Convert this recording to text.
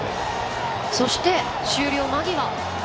そして、終了間際。